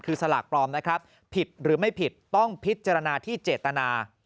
คือสลากปลอมนะครับผิดหรือไม่ผิดต้องพิจารณาที่เจตนา